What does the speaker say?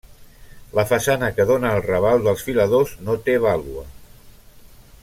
La façana que dóna al raval dels Filadors no té vàlua.